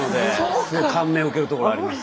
すごい感銘を受けるところがあります。